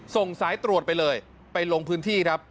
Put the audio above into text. ส่งสายตรวจไปเลยไปลงพื้นที่ครับ